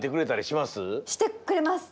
してくれます。